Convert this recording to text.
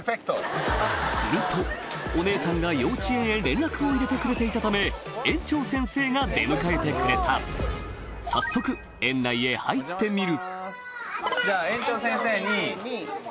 するとお姉さんが幼稚園へ連絡を入れてくれていたため園長先生が出迎えてくれた早速園内へ入ってみる